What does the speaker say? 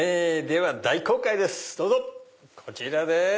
では大公開ですどうぞこちらです。